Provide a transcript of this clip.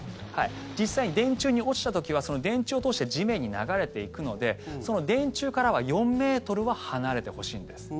実際に電柱に落ちた時はその電柱を通して地面に流れていくのでその電柱からは４ｍは離れてほしいんです。